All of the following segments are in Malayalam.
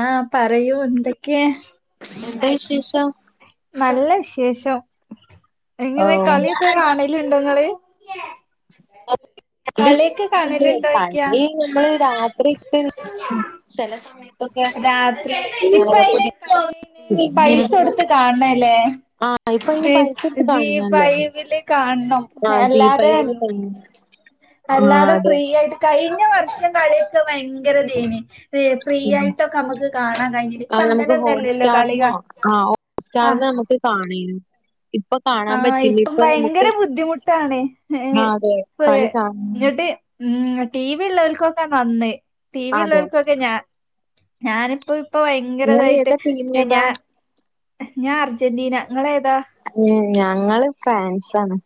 ആഹ് പറയൂ എന്തക്കെയാ എന്താ വിശേഷം നല്ല വിശേഷം ഓ എങ്ങനെ കളിയൊക്കെ കാണല് ണ്ടൊങ്ങള് കളിയൊക്കെ കാണല്ണ്ടോയിക്കാ ഞമ്മള് രാത്രിക്ക് ഉം ചെല സമയം രാത്രി ഇപ്പയിന് കളി അയിന് പൈസ കൊടുത്ത് കാൺണല്ലേ ആഹ് ഇപ്പൊ അയിന് ഈ പൈസ എടുത്ത് കാണണല്ലോ സീഫൈവില് കാണ്ണം ആഹ് ജി അല്ലാതെ ഫൈവില് [unintelligible] ആഹ് അല്ലാതെ അതെ ഫ്രീ ആയിട്ട് കഴിഞ്ഞ വർഷം കളിയൊക്കെ ഭയങ്കര തേനി ഏ ഫ്രീ ആയിട്ടൊക്കെ അമ്മക്ക് കാണാൻ കഴിഞ്ഞിനി ആഹ് നമുക്ക് ഇപ്പങ്ങനൊന്നല്ലല്ലോ ഹോട്ട്സ്റ്റാർന്നോ കളികാണ ആഹ് ഹോട്ട്സ്റ്റാർന്ന് ആഹ് നമുക്ക് കാണേനു ഇപ്പൊ കാണാൻ ആഹ് പറ്റില്ല ഇപ്പം ഇപ്പൊ ഭയങ്കര നമുക്ക് ബുദ്ധിമുട്ടാണ് ഏഹ് ആഹ് അതെ പ്പെ കളി കാണ ഇങ്ങട്ട് ഉം ടി വി ഉള്ളോൽക്കൊക്കെ നന്ന് ടി വി അതെ ഉള്ളോക്കൊക്കെ ഞാൻ ഞാനിപ്പ ഇപ്പ നിങ്ങള് ഭയങ്കരതായിട്ട് ഏതാ ടീം ഏതാ ഞാൻ ഞാ അർജന്റീന ങ്ങളേതാ ഞ ഞങ്ങള് ഫ്രാൻസാണ്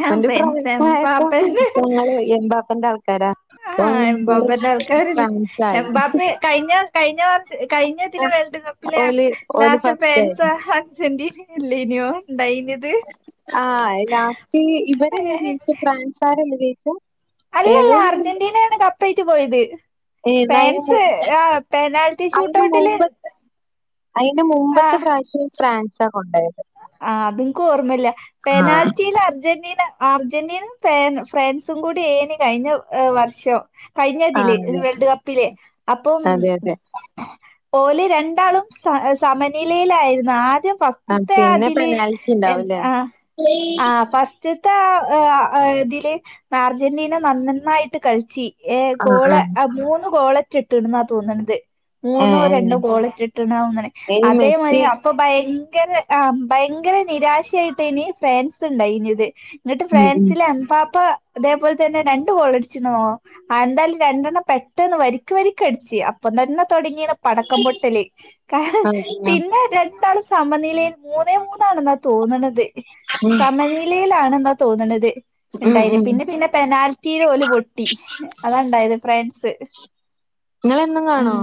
ഞാൻ ഫ്രാൻസ് ഫ്രാൻസായപ്പോ എംബാപ്പന്റെ ഞങ്ങള് എംബാപ്പന്റെ ആൾക്കാരാ അപ്പം ആഹ് ഞങ്ങള് എംബാപ്പെൻ്റാൾക്കാരന്നെ ഫ്രാൻസായി എബാപ്പെ കഴിഞ്ഞ കഴിഞ്ഞ കൊറച്ച് കഴിഞ്ഞതില് വേൾഡ് കപ്പ് ലാ ഓല് ഓല് ലാസ്റ്റ് ഫസ്റ്റായി ഫ്രാൻസ് അർജന്റീന ഇല്ലേനിയോ ഉണ്ടായി ആഹ് ലാസ്റ്റ് ഇവരെല്ലേ ജയിച്ചെ ഫ്രാൻസാരല്ല ജയിച്ചെ ഏതോ അല്ലല്ല ഒരു അർജന്റീനയാണ് കപ്പയിറ്റ് പോയത് എന്നാ അയിന് പേൻസ് മുന്നേ ആ പെനാൾട്ടി അയിന് ശൂട്ടൗട്ടില് മുമ്പത്തെ അയിന്റെ മുമ്പത്തെ പ്രാവശ്യം ഫ്രാൻസാ കൊണ്ടോയത് ആഹ അത് ൻക്ക് ഓർമ്മല്ല ആഹ് പെനാൽറ്റീലർജന്റീന അർജന്റീനിം ഫാൻ ഫ്രാൻസും കൂടി ഏനി കഴിഞ്ഞ വർഷം കഴിഞ്ഞതില് ആഹ് അതെ വേൾഡ് കപ്പില് അപ്പം അതെ അതെ ഓല് രണ്ടാളും സസമനിലയിലായിരുന്നു ആദ്യം ഫ ആഹ് പിന്നെ പെനാൽറ്റി ഉണ്ടാവൂല്ലേ അ ഫസ്റ്റ്ത്തെ ആ ഇതില് അർജന്റീന നന്നായിട്ട് കളിച്ചി ഏഹ് ആഹ് ഗോള് ആഹ് ആ മൂന്ന് ഗോളറ്റ ഇട്ട്ണ്ന്നാ തോന്നണത് മൂന്നോ ഏഹ് രണ്ടോ ഏഹ് ഗോളറ്റെ ഇട്ട്ണാ തോന്ന്ണ്. ഇനി അതേമാരി മെസ്സി അപ്പൊ ഭയങ്കര ആഹ് ഭയങ്കര നിരാശായിട്ടേനി ഫ്രാൻസ് ണ്ടായിനത് ന്നിട്ട് ഉം ഉം ഫ്രാൻസിലെ എംബാപ്പ ഇതേപോൽ തന്നെ രണ്ടു ഗോളട്ച്ച്ണോ ആ എന്താലും രണ്ടെണ്ണം പെട്ടന്ന് വരിക്ക് വരിക്കടിച്ച് അപ്പംതന്നെ തൊടങ്ങിണ് പടക്കം പൊട്ടല് കാ ആഹ് ആഹ് പിന്നെ രണ്ടാള് സമനിലെ മൂന്നേ മൂന്നാണ്ന്നാ തോന്നണത് ഉം സമനിലയിലാണ്ന്നാ തോന്നണത്. ഉം ഇണ്ടായിന് ഉം പിന്നെ പിന്നെ പെനാൽറ്റിയില് ഓല് പൊട്ടി അതാ ഇണ്ടായത് ഫ്രാൻസ്. ഇങ്ങളെന്നും കാണോ ഉം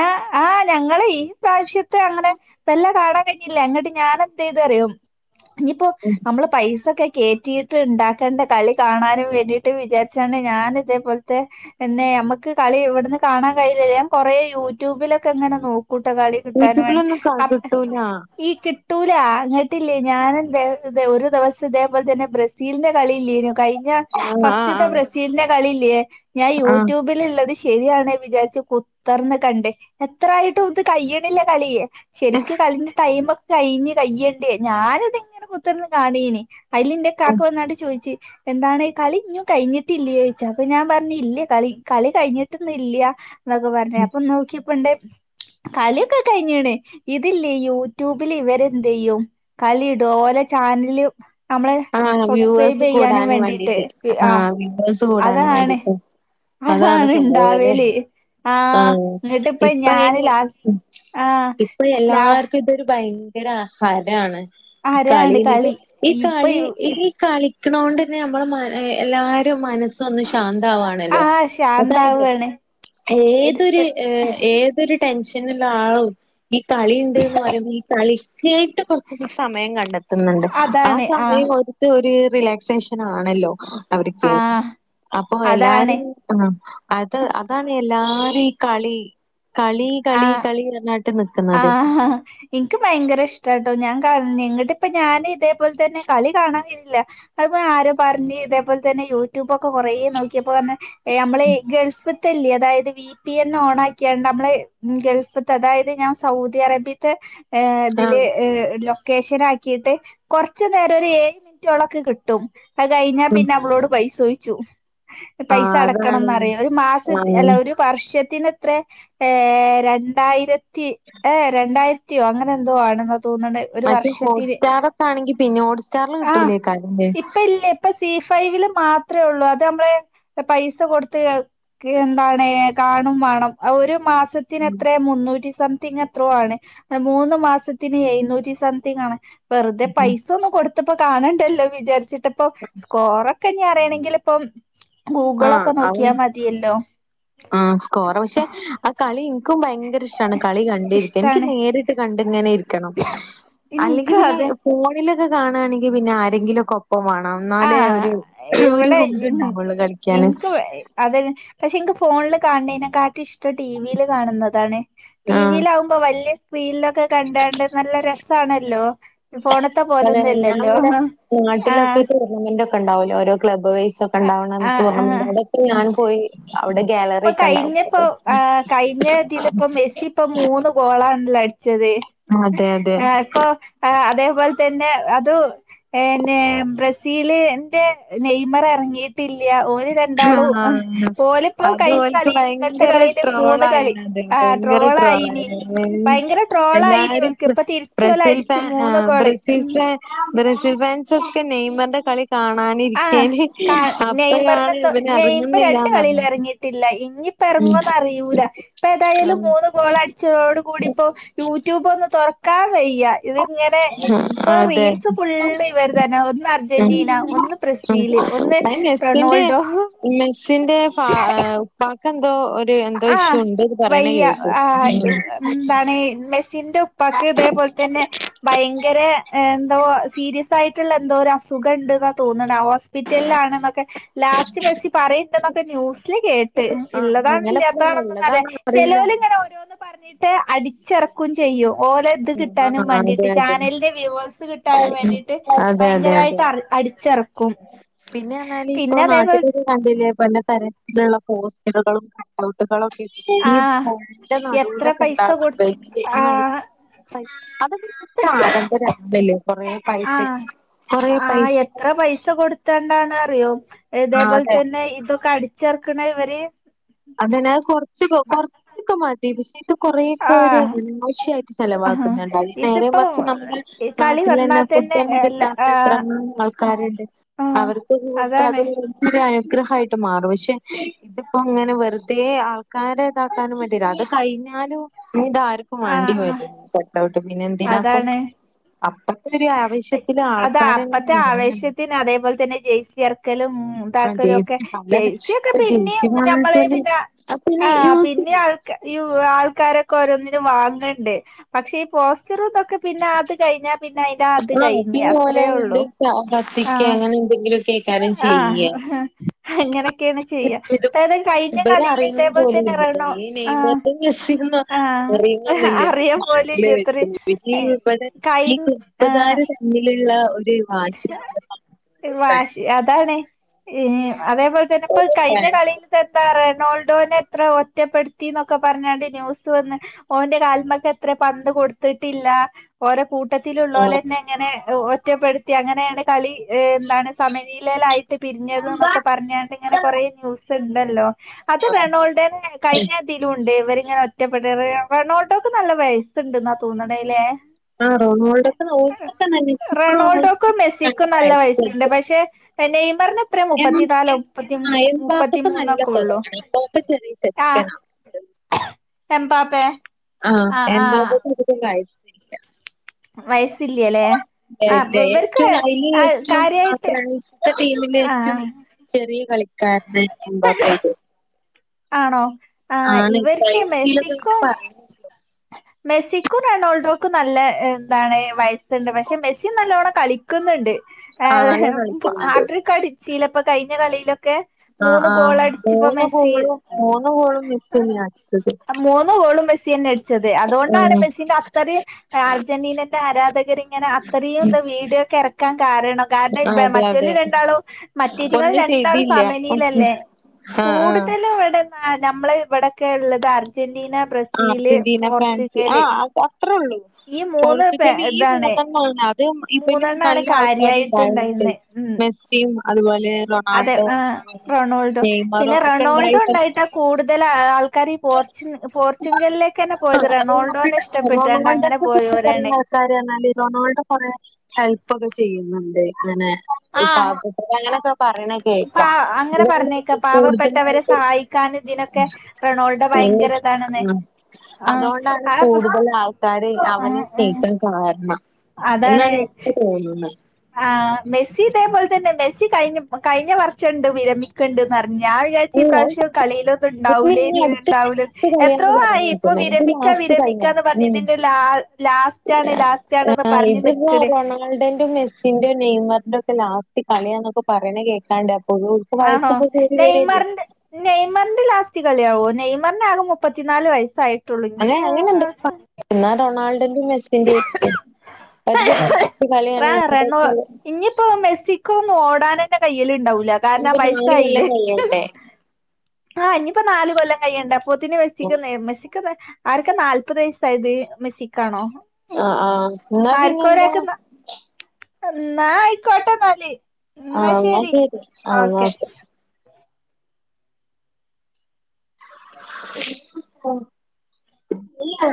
ഏഹ് ആഹ് ഞങ്ങള് ഈ പ്രാവശ്യത്തെ ഞങ്ങടെ വെല്ല കാണ ട്ടില്ലെ ഇങ്ങട്ട് ഞാനെത്തെയ്തു അറിയോ ഇഞ്ഞ്‌പ്പോ അമ്മള് പൈസൊക്കെ കേറ്റി ണ്ടാക്കേണ്ട കളി കാണാനും വേണ്ടിയിട്ട് വിചാര്ച്ചാണ് ഞാന് ഇതേ പോൽത്തെ പിന്നെ അമ്മക്ക് കളി ഇവട്ന്ന് കാണാൻ കയ്യൂലല്ല. ഞാൻ കൊറെ യൂട്യൂബിലൊക്കെങ്ങനെ നോക്കൂട്ടോ കളി. കിട്ടാന് വേണ്ടി യൂട്യൂബിലൊന്നും ക അ കിട്ടൂല ഈ കിട്ടൂല ഇങ്ങട്ടില്ലേ ഞാനെന്തെയ്തു ഒരു ദിവസം ഇതേ പോൽതെന്നെ ബ്രെസ് സീൽന്റെ കളി ഇല്ലെയ്നോ കൈ ഞ്ഞ ആഹ് ഫസ്റ്റ്ത്തെ ആഹ് ബ്രസീലിന്റെ കളില്ലേ ഞാൻ ആഹ് യൂട്യൂബിലള്ളത് ശെ ശെരിയാണ് വിചാര്ച്ചു കുത്തർന്ന് കണ്ട് എത്രായ്ട്ടും ഇത് കയ്യിണ്ല്ല കള്യെ ക്ക് കളിന്റെ ടൈമൊക്കെ കഴിഞ്ഞ്‌ കയ്യേണ്ടേ ഞാനത്ങ്ങനെ കുത്തർന്ന് കാണേനി അയ്ലിന്റെ കാക്ക വന്നാണ്ട് ചോയ്ച്ച് എന്താണ് കളി ഇഞ്ഞും കഴിഞ്ഞിട്ടില്ലേയ്ച്ചു അപ്പൊ ഞാൻ പറഞ്ഞു ഇല്ല കളി കളി കഴിഞ്ഞിട്ടൊന്നുല്ല. ന്നൊക്കെ പർഞ്ഞു ആഹ് അപ്പൊനോക്കിയപ്പണ്ട് കളി ഒക്കെ കയ്യ്ഞ്ഞ്‌ണ് ഇതില്ലേ യൂട്യൂബില് ഇവരെന്തെയ്യും കളി ഇടും ഓലെ ചാൻല് അമ്മളെ ആഹ് വ്യൂവേഴ്സ് സബ്സ്ക്രൈബെയ്യാനും കൂടാനും വേണ്ടീട്ട് ആ ആഹ് വ്യൂവേഴ്സ് കൂടാനും അതാണ്. വേണ്ടീട്ട് അതാണ് അഹാണ് സംഭവം അല്ലേ ഇണ്ടാവെല്. ആഹ് ന്നിട്ട്പ്പ ഇപ്പ ഞാന് അയിന് ലാ ആഹ് ഇപ്പൊ ലാ എല്ലാർക്കും ഇതൊരു ഭയങ്കര ഹാരാണ് ആരാണ് കളീ ഞ്ഞ്‌ട്ട് കളി ഇ ഇപ്പൊ കളി ഈ കളിക്ക്ണോണ്ടെന്നെ ന്നമ്മളെ എല്ലാരും മനസൊന്ന് ശാന്താവാണ്. ണല്ലോ ആഹ് അതായത് ശാന്താവാണ് ഏതൊരു ഏ തൊരു ടെൻഷന്ള്ള ആളും ഈ കളി ഇണ്ട്ന്ന് പറയുമ്പോ ഈ കളി കേട്ട് കൊർച്ച് സമയം കണ്ടെത്ത്ന്ന്ണ്ട് ആ അതാണ് ആഹ് [unintelligible] ഒര് റിലാക്സേഷനാണല്ലോ അവര്ക്ക് ആഹ് അപ്പൊ അതാണ് എല്ലാരും ആഹ് അത് അതാണ് എല്ലാരും കളി കളി, കളി, ആഹ് കളി ന്നർഞ്ഞാ ആഹ് ഇൻക്ക് ഭയങ്കര ഇഷ്ട്ടാട്ടോ ഞാൻ കാൺണേ ങ്ങട്ട്പ്പോ ഞാന് ഇതേ പോൽതെന്നെ കളി കാണാൻ കഴുല്ല. അത്പ്പോ ആരോ പർഞ്ഞ് ഇതേപോൽ തന്നെ യൂട്യൂബ് ഒക്കെ കൊറേ നോക്കിയപ്പോർഞ്ഞു ഏഹ് അമ്മളീ ഗെൾഫ് ത്തെല്ലേ അതായത് വി പി എന്ന് ഓൺ ആക്കിയാണ്ട് അമ്മള് ഗെൾഫ്ത്തെ അതായത് ഞാൻ സൗദി അറേബ്യത്തെ ഏ ഇതില് ആഹ് ഏ ലൊ കേഷനാക്കിയിട്ട് കൊർച് നേരം ഒരു ഏഴ് മിൻറ്റോളൊക്കെ കിട്ടും. അത് കയ്ഞ്ഞാ ഉം പിന്നെ അമ്മളോട് പൈസോയ്ച്ചും. പൈസ ആഹ് അതാണ് അടക്കണംന്ന് പറിം ഒരു മാസത് അല്ല ആഹ് ഒരു വർഷത്തിന് ത്രെ ഏഹ് രണ്ടായിരത്തി ഏഹേ രണ്ടായിരത്തിയോ അങ്ങനെ എന്തോ ആണ്ന്നാ തോന്ന്ണത്. മറ്റേ ഹോട്ട്സ്റ്റാർ ഒക്കെ ആണെങ്കി പിന്നിം ഹോട്ട് സ്റ്റാറില് ആഹ് കിട്ടൂലേക്കാരംലെ? ഇപ്പ ഇല്ല ഇപ്പ സി ഫൈവില് മാത്രേ ഒള്ളൂ അത് നമ്മള് പൈസ കൊടുത്ത് ക്ക് എന്താണ് കാണും മാണം ഒര് മാസത്തിന് എത്രേ മുന്നൂറ്റി സം തിങ് എത്രോ ആണ് മൂന്ന്മാസത്തിന് എഴുന്നൂറ്റി സംതിങ്ആണ് വെറുതെ പൈസ ഒന്ന് കൊട് ത്ത് പ്പോകാണണ്ടല്ലോ വിചാരിച്ചിട്ട് ഇപ്പം സ്കോറൊക്കെഞ്ഞി അറിയണെങ്കിൽ ഇപ്പം ആഹ് ഗൂഗിളൊക്കെ അവ നോക്കിയാ മതിയല്ലോ? ആഹ് സ്കോർ പക്ഷെ ആ കളി ഇൻക്കും ഭയങ്കര ഇഷ് ട്ടാണ് കളികണ്ടിരിക്ക്യാൻ. ഇൻക്ക് ഇഷ്ടാണ് നേരിട്ട് കണ്ടിങ്ങനെ ഇരിക്കണം. അല്ലെങ്കി ഇൻക്ക് പിന്നെ അത് ഫോണിലൊക്കെ കാണാണെങ്കി പിന്നെ ആരെങ്കിലൊക്കൊപ് പ്പം വാണം ഇന്നാലേ ആഹ് ഒര് ഒര് ഹുങ്ക്ണ്ടാവൊള്ളൂ കളിക്ക്യാന്. അയ് അതെന്നെ പക്ഷെ ഇൻക്ക് ഫോണില് കാൺണേനെകാട്ടി ഇഷ്ട്ടം ടീവില് കാണുന്നതാണ് ടി വി ആഹ് ലാവും മ്പോ വല്ല്യ സ്ക്രീനിലൊക്കെ കണ്ടാണ്ട് നല്ല രെസാണല്ലോ? ഫോണ് ത്തെ അതെ പോലൊന്നും അല്ലല്ലോ ആഹ്. ഉങ്ങിന്റോക്കണ്ടാവല്ലോ ഓരോ ക്ലബ് വെയ്സൊക്കണ്ടാവ്ണ ആഹ് ടൂർണമെന്റ് ആഹ് അവ്ടൊക്കേ ആഹ് ഞാൻ പോയി അവിടെ ഗാലറി ഇപ്പൊ ഒക്കെ ണ്ടാവും കഴിഞ്ഞപ്പോ അപ്പം. ആഹ് കഴിഞ്ഞ ഉം ഉം ഇതിലിപ്പോ മെസ്സി ഇപ്പൊ മൂന്ന് ഗോളാണല്ലോ അടിച്ചത് അതെ ഏഹ് ഇപ്പൊ അതേപോലെ തന്നെ അതും ഏഹ് ന്നെ ബ്രസീല് ന്റെ നെയ്മറെറങ്ങി ട്ടില്ല്യ. ഓല് രണ്ടാളും ആഹ് ഓല് അത് ഓൽക്ക് ഭയങ്കര കളി ട്രോളായീണ്. അത് ആ ഭയങ്കര ട്രോളായിനി ട്രോളായ്ണ്. ഭയങ്കര ട്രോളായിനി എല്ലാരും ഇവൽക്ക് ബ്ര ഇപ്പൊ തിരിച്ച് ഇവല് ബ്രസീൽ അടിച്ച് ഫാൻ മൂന്ന് ആഹ് ഗോള് ബ്രസീൽ ഉം ഫാ ൻ ബ്രസീൽ ഫാൻസൊക്കെ നെയ്മർന്റെ കളി കാണാനിരിക്കേണ് അ നെയ്മർനെന്തോ നെയമ്പ് രണ്ട് കളീലു എറങ്ങി ട്ടില്ല. ഇഞ്ഞ് ഇപ്പെറങ്ങോന്ന് അറിയൂല്ല. ഇപ്പേതായാലും മൂന്ന് ഗോളടിച്ചതോട് കൂടി ഇപ്പം യൂട്യൂബ് ഒന്നും തുറക്കാൻ വയ്യ. ഇതിങ്ങനെ ഇപ്പൊ അതെ റീൽസ് ഫുള്ള് ഇവര്തന്നെ. ഒന്ന് ഉം അർജന്റീന ഒന്ന് ഉം ബ്രസീല് അഹ് ഒന്ന് മെസ്സിന്റെ റൊണാൾഡോ മെസ്സിന്റെ ഫാ ഏഹ് ഏഹ് ഉപ്പാക്ക് എന്തോ ഒര് എ ആഹ് വയ്യ ആഹ് എന്താണ് മെസ് സിന്റെ ഉപ്പാക്ക് ഇതേപോൽ തന്നെ ഭയങ്കര എന്തോ സീരിയസ് ആയിട്ടുള്ള എന്തോ ഒരു അസുഖണ്ട്ന്നാ തോന്ന്ണ അ ഹോസ് പിറ്റൽലാണ് ന്നൊക്കെ ലാസ്റ്റ് മെസ്സി പറയ്ണ്ട് ന്നൊക്കെ ന്യൂസിൽ കേട്ട് ഇള്ള ആഹ് താണോ അങ്ങനെ ഇല്ലാത്തതാണോന്നൊന്നും അറീല്ല. ഉള്ളതാണോ അറിയില്ല ചെലോല്ങ്ങെനെ ഓരോന്ന് പറഞ്ഞിട്ട് അടിച്ചിറക്കും ചെയ്യും. ഓല ത് കിട്ടാനും ആഹ് അതെ മാണ്ടിട്ട് അതെ ചാനലിന്റെ വ്യുവേഴ്സ് കിട്ടാനും വേണ്ടിട്ട് അതെ അതെ അതെ ഭയങ്കരായിട്ട് അറി അടി പിന്നെ പർഞ്ഞാല് ഇപ്പം അതേപോലെ നാട്ടിലൊരു കണ്ടില്ലേ പല തരത്തിലുള്ള പോസ്റ്ററുകളും [unintelligible] [unintelligible] ക്കെ ഇട്ടിട്ട് ഈ ആഹ് പൊഴന്റെ എത്ര നടൂലൊക്കെ പൈസ ഇണ്ടാവും കൊടു വല്യെ ആഹ് [unintelligible] അതൊക്കൊരു ഇപ്പാഡമ്പരാണല്ലോ കൊറെ ആഹ് ആഹ് എത്ര പൈസ കൊടു ത്താണ്ടാണറിയോ ആഹ് ഇതേപോൽ അതെ തന്നെ ഇതൊക്കെ അടിച്ചെർക്ക്ണത് ഇവര് അതന്നെ അത് കൊർച്ച് കൊ കൊർച്ചൊക്കെ മതി പക്ഷെ ഇത് കൊറേയൊക്കെ ഒര് ആഹ് അനാവശ്യ ആഹ് ചിലവാക്കുന്നുണ്ട് അത് ഇതിപ്പോ നേരെമറിച്ച് നമ്മുടെ ഈ കളി വന്നാ നാട്ടിലെന്നെ തന്നെ ഫുഡ് ഒന്നും അല്ല കിട്ടാത്ത ആഹ് എത്രങ്ങാനും ആൾ കാരുണ്ട് ആഹ് അവർക്ക് കൊടുത്ത അത് അതാണ് ഒരു അനുഗ്രഹായിട്ട് മാറും പക്ഷെ ഇതിപ്പോങ്ങെനെ ന്ന് വെറുതെ ആൾക്കാരെ ഇതാക്കാനും വേണ്ടിതാ അത് കയിഞ്ഞാലും ഇനി ഇതാർക്കും ആഹ് വേണ്ടി ആഹ് വരൂല്ല കട്ട് ഔട്ട് പിന്നെ എന്തിനാപ്പൊ അതാണ് അപ്പത്തെ ഒരു ആവേശത്തില് ആൾക്കാരങ്ങന [unintelligible] ഇന്ന അതേപോൽ തന്നെ ജയിസ് എർക്കലും ഉം ആ താക്കലൊക്കെ ജേഴ്സി പല ജെയ്സി ഒക്കെ ഇപ്പൊ പിന്നീം ജേഴ്സി ഞമ്മള് വാങ്ങിട്ടോല് പിന്ന അത് പിന്നെ ആ യൂസ് പിന്നെ ചെയ്യും ആൾക്ക ഈ ആൾക്കാരൊക്കെ ഓരോന്നിനും വാങ്ങ്ണ്ട് പക്ഷേ ഈ പോസ് റ്ററുതൊക്കെ പിന്നെ അത് കഴിഞ്ഞാ പിന്നെ അയിന്റെ അത് ആ കഴിഞ്ഞ് പിന്നെ അത്രേ ഒള്ളൂ ഓലെയ്ണ്ട് കത്തിക്ക ആഹ് അങ്ങനെ എന്തെങ്കിലും ക്കെകാരം ചെയ്യ ആഹ് അങ്ങനൊക്കേണ് ചെയ്യ ഇപ്പേതാ കഴിഞ്ഞ കളീല് ഇവരറിയു ഇതേപോലെ തന്നെ റെണോ ഈ ആഹ് നെയ്മറിനും മെസ്സിക്കും ആഹ് പറയുന്നൊന്നില്ലല്ലോ അറിയാൻ നാട്ടില് പോലുല്ല്യത്രെ വ ഈ ഇവിടെ കയി ഈ ആഹ് ക്ലബ്‌കാര് തമ്മിലുള്ള ഒരു വാശിയാണ് അവിടെ നടക്കുന്നത് ഒരു വാശി ഫാൻസ് അതാണ് ഈ അതേപോലെ തന്നെ ഇപ്പൊത് ഓരോ കഴിഞ്ഞ ഫാൻസ് കളിലും എത്താ പറയാ റൊണോൾഡോനെ എത്ര ഒറ്റപ്പെടുത്തി എന്നൊക്കെ പറഞ്ഞാണ്ട് ന്യൂസ് വന്ന് ഓന്റെ കാൽമക്ക് എത്ര പന്ത് കൊടുത്തിട്ടില്ല ഓലെ കൂട്ടത്തിലുള്ളോലെന്നെങ്ങനെ ഒറ്റപ്പെടുത്തി അങ്ങനെയാണ് കളി ഏ എന്താണ് സമനിലെലായിട്ട് പിരിഞ്ഞത് ന്നൊക്കെ പറഞ്ഞാണ്ട് ഇങ്ങനെ കൊറേ ന്യൂസ് സുണ്ടല്ലോ അത് ആ റണോൾഡനെ കഴിഞ്ഞ ത്തിലുണ്ട് ഇവരിങ്ങനെ ഒറ്റപ്പെട്ട് റെ ണോൾഡക്ക് നല്ല വയസ്സുണ്ട്ന്നാ തോന്നണയിലെ ആ റൊണോൾഡക്ക്‌ ഓൽകൊക്കെ നല്ല മെസ്സിക്കോ റൊണാൾഡോക്കും [unintelligible] മെസ്സിക്കും നല്ല വയസ്സ് ഇണ്ട് പക്ഷെ നെയ്മർന് എത്രേ മുപ്പത്തി നാലോ മുപ്പത്തി അഞ്ചോ മുപ്പത്തി ഇതൊക്കെ നല്ല കുറവാണ് ഇപ്പൊക്കെ ചെറിയ ചെക്കന എമ്പാപെ ആ എമ്പാപ്പക്ക് അത്ര വയസ്സൊന്നില്ല വയസ്സില്ല്യ ലേ ഏ ഇല്ല ഏറ്റവും അയില് ഏറ്റവും ആ കാര്യായിട്ട് ഫ്രാൻസിത്തെ ടീമില് ഏറ്റവും ആഹ് ചെറിയ കളിക്കാരനായി എമ്പാപ്പേ അത് ആണോ ആ ആണ് ഇവർക്ക് കഴിഞ്ഞതിലൊക്കെ ഇങ്ങനെ മെസിക്കും പറയുന്നുണ്ടല്ലോ മെസ്സിക്കും റൊണാൾഡോക്കും നല്ല എന്താണ് വയസ്സുണ്ട് പക്ഷെ മെസ്സി നല്ലോണം കളിക്കുന്നുണ്ട് ഏ ആള് കളിക്കുന്നുണ്ട്. ഹാട്രിക് അടിച്ചീലെ ഇപ്പൊ കയ്ഞ്ഞ കളീലൊക്കെ അ ആ മൂന്ന് ഗോളും മൂന്ന് ഗോളും മെസ്സി എന്നെ അടിച്ചത് മൂന്നു ഗോളും മെസ്സി എന്നെ അടി ച്ചത് ഉം അതുകൊണ്ടാണ് മെസ്സിനെ അത്രയും അർജന്റീനന്റെ ആരാധകരിങ്ങനെ അത്രയും എന്താ വീഡിയൊക്കെ എറ ക്കാൻ കാരണം കാരണം ഇവ അതെ മറ്റോല് അതെ രണ്ടാളും മറ്റേറ്റങ്ങള് ഒന്നും രണ്ടാളും ചെയ്തില്ല. സമനിലല്ലേ ആഹ് ആഹ് കൂടുതലും ഇവിടെ നമ്മള ഇവിടൊക്കെ ഉള്ളത് അർജന്റീന ആ ബ്രസീല് അർജന്റീന ഫാൻസ് ആ പോർച്ചുഗല് അത് അത്രേ ഉള്ളൂ ഈ മൂന്ന് പോർച്ചുഗൽ ഈ ഇതാണ് മൂന്നെണ്ണോള്ളു ഇതും ഇബലും മൂന്നെണ്ണാണ് നല്ല ആൾക്കാരുണ്ടായിട്ട കാര്യായിട്ടുണ്ടായിന്ന് ഉം മെസ്സിയും അതുപോലെ റൊ അതെ ആ് റൊണാൾഡോ പിന്നെ ഒക്കെ റൊണാൾഡോ ഉണ്ടായിട്ടാണ് ഉണ്ടായിട്ടാ കൂടുതൽ ആൾക്കാര് ഈ പോർച്ചു പോർച്ചുഗലിലേക്കന്നെ ആ പോയത് റൊണാൾഡോനെ ഇഷ്ടപ്പെട്ടാണ്ട് അങ്ങനെ പോയോരാണ് ക്ക് അറിയ റൊണാൾഡോ കൊറെ ഹെൽപ്പ് ഒക്കെ ചെയ്യുന്നുണ്ട് ഇങ്ങനെ ഈ പാവപ്പെ അങ്ങനൊക്കെ പറയണ പ കേക്കാം അങ്ങനെ അതുകൊണ്ട് പറഞ്ഞേക്ക പാവപ്പെട്ടവരെ കൂടുതലായിട്ട് സഹായിക്കാന ഇതിനൊക്കെ റൊണോൾഡോ നല്ല ഭയങ്കര ഇതാ ഇഷ്ടാ ആ അതുകൊണ്ടാണ് കൂടുതൽ ആൾക്കാര് അവനെ ആഹ് സ്നേഹിക്കാൻ കാരണം എന്നാണ് എനിക്ക് തോന്നുന്നത് ആഹ്‌ മെസ്സി ഇതേ പോലെ തന്നെ മെസ്സി കഴിഞ്ഞ കഴിഞ്ഞ വർഷഎടുതേ വിരമി ണ്ടഞ്ഞ ഞാൻ വിചാച്ച് ഈ പ്രാവശ്യം കളിയിലോന്നും ഇനി ഉണ്ടാവൂലേ ഇനി നീ അടുത്ത ഉണ്ടാവൂല ലാസ്റ്റ് എത്രോ കളിയാന്ന് ആയി പറഞ്ഞ് ഇപ്പൊ കേക്കുന്നെ ഇത് വിരമിക്കാ ലാസ്റ്റ് കളിയാ വിരമിക്കാന്ന് പറഞ്ഞ് ഉം ഇതിന്റെ ലാ ലാസ്റ്റ ആണ് ലാസ്റ്റ് ആണെന്ന് പറഞ്ഞ് നിക്കണേ മെസ്സിന്റെ നെയ്മറിന്റെ ഒക്കെ ലാസ്റ്റ് കളിയാന്നൊക്കെ പറയണ കേൾക്കാണ്ട പൊതു ആണോ വയസ്സൊക്കെ കൂടി വരില്ലേ നെയ്മറിന്റെ നെയ്മറിന്റെ ലാസ്റ്റ് കളിയാവോ നെയ്മറി ആകെ മുപ്പത്തിനാല് വയസ്സായിട്ട് അങ്ങനെ അങ്ങനെണ്ട് എന്നാ റൊണാൾഡോന്റെയും മെസ്സിന്റെ അവത് ലാസ്റ്റ് റ കളിയാണ് റെണോ [unintelligible] ഇനിയിപ്പോ മെക്സിക്കോന്നും ഓടാനന്റെ കയിൽ ഉണ്ടാവൂല്ല കാരണം ഇനിയിപ്പോ നാല് വയസ്സായില്ലേ [inaudible] ആഹ് ഇനിയിപ്പോ നാല് കൊല്ലം കൈയുണ്ട പത്തിനെ വെച്ചിക്കുന്നമശിക്കുന്ന ആർക്കെ നാല്പത് വയസ്സായത് മെസ്സിക്കാണോ ആഹ് ആഹ് എന്നാ പിന്നെന്താ ആർക്കോരാക്കെ എന്നാ ആയിക്കോട്ടന്നാലി എന്നാ ആഹ് ശെരി ശരി ആഹ് എന്നാ ഓക്കെ ഓക്കെ